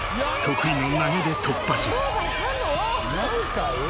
何歳？